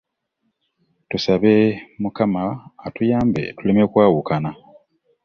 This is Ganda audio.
Tusabe ne Mukama atuyambe tuleme kwawukana.